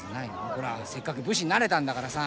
ほらせっかく武士になれたんだからさ。